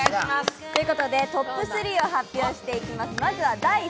トップ３を発表します。